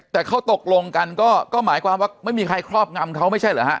แต่เขาตกลงกันก็หมายความว่าไม่มีใครครอบงำเขาไม่ใช่เหรอฮะ